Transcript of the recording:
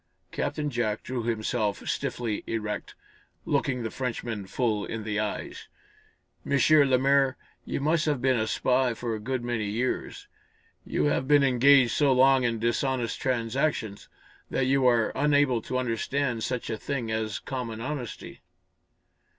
Captain Jack drew himself stiffly erect, looking the Frenchman full in the eyes. "M. Lemaire, you must have been a spy for a good many years. You have been engaged so long in dishonest transactions that you are unable to understand such a thing as common honesty."